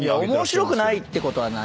面白くないってことはない。